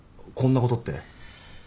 「こんなこと」って？